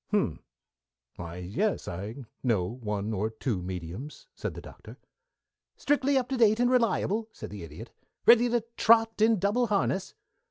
"H'm! Why yes, I know one or two mediums," said the Doctor. "Strictly up to date and reliable?" said the Idiot. "Ready to trot in double harness?"